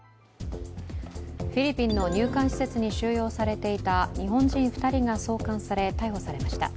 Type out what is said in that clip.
フィリピンの入管施設に収容されていた日本人２人が送還され、逮捕されました。